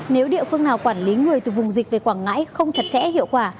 nếu địa phương nào quản lý người từ vùng dịch về quảng ngãi không chặt chẽ hiệu quả